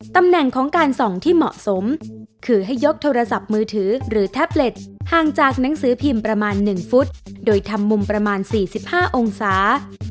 ตำแหน่งของการส่องที่เหมาะสมคือให้ยกโทรศัพท์มือถือหรือแท็บเล็ตห่างจากหนังสือพิมพ์ประมาณ๑ฟุตโดยทำมุมประมาณ๔๕องศา